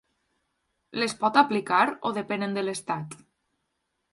Les pot aplicar o depenen de l’estat?